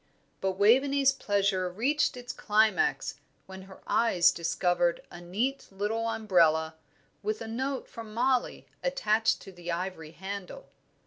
But Waveney's pleasure reached its climax when her eyes discovered a neat, little umbrella, with a note from Mollie attached to the ivory handle.